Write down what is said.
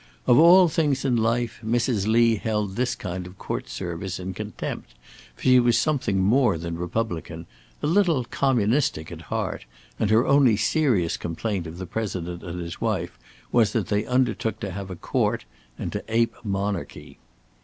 Of all things in life, Mrs. Lee held this kind of court service in contempt, for she was something more than republican a little communistic at heart, and her only serious complaint of the President and his wife was that they undertook to have a court and to ape monarchy.